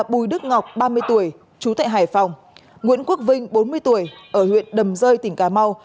bùi đức ngọc ba mươi tuổi chú tại hải phòng nguyễn quốc vinh bốn mươi tuổi ở huyện đầm rơi tỉnh cà mau